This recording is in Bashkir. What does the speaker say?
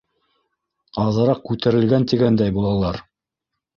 Аҙыраҡ күтәрелгән тигәндәй булалар?